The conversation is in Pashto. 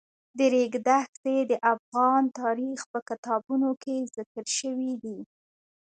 د ریګ دښتې د افغان تاریخ په کتابونو کې ذکر شوی دي.